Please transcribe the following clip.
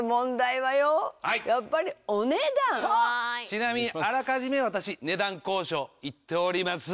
ちなみにあらかじめ私値段交渉行っております。